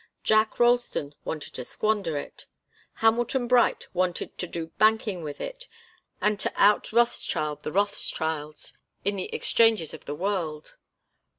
Jack Ralston wanted to squander it; Hamilton Bright wanted to do banking with it and to out Rothschild the Rothschilds in the exchanges of the world.